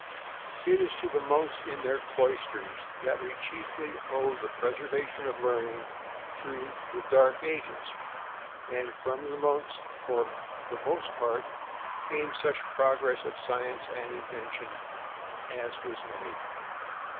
_] It is to the monks in their cloisters that we chiefly owe the preservation of learning through the "dark ages," and from the monks, for the most part, came such progress of science and invention as was made.